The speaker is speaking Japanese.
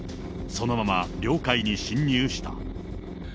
そのまま、領海に侵入した。